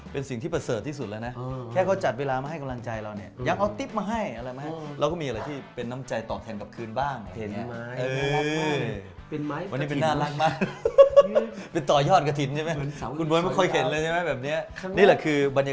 เป็นสิ่งที่ประเสริฐที่สุดนะแค่เขาจัดเวลามาให้กำลังใจเราเนี่ย